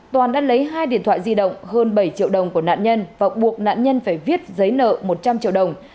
toàn đã lấy hai điện thoại di động hơn bảy triệu đồng của nạn nhân và buộc nạn nhân phải viết giấy nợ một trăm linh triệu đồng